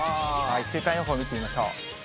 １週間予報見てみましょう。